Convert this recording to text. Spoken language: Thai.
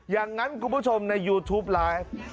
อย่างนั้นคุณผู้ชมในยูทูปไลฟ์